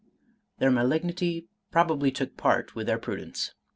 Their malig nity probably took part with their prudence.